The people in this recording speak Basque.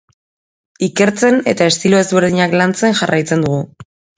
Ikertzen eta estilo ezberdinak lantzen jarraitzen dugu.